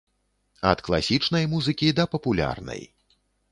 Ад класічнай музыкі да папулярнай.